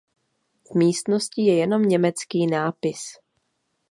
V místnosti je jenom německý nápis.